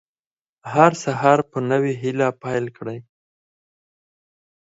هر سهار په نوې هیله پیل کړئ.